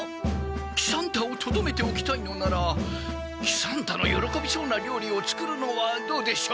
喜三太をとどめておきたいのなら喜三太のよろこびそうなりょうりを作るのはどうでしょう？